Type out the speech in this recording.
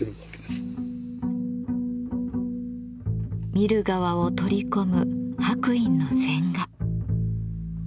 見る側を取り込む白隠の禅画。